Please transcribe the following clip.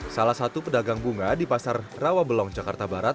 salah satu pedagang bunga di pasar rawabelong jakarta barat